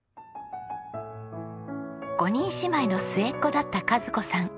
５人姉妹の末っ子だった和子さん。